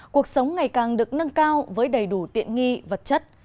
cuộc sống ngày càng được nâng cao với đầy đủ tiện nghi vật chất